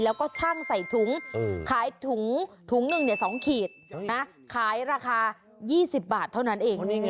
แล้วก็ชั่งใส่ถุงขายถุงถุงหนึ่ง๒ขีดขายราคา๒๐บาทเท่านั้นเอง